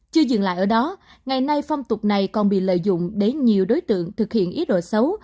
chưa dừng lại ở đó ngày nay phong tục này còn bị lợi dụng để nhiều đối tượng thực hiện ý đồ xấu